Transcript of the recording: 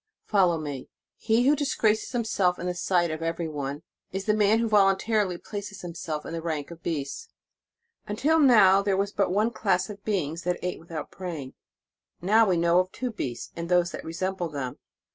Follow me. He who disgraces himself in the <j sight of every one, is the man who volun tarily places himself in the rank of beasts. Until now, there was but one class of be ings that ate without praying. Now we know of two beasts, and those that resemble them.